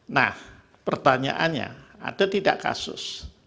nah pertanyaannya ada tidak kasus